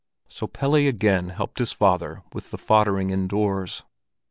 So Pelle again helped his father with the foddering indoors.